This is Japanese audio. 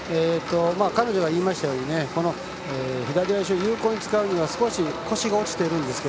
彼女が言いましたように左足を有効に使うには少し腰が落ちているんですが。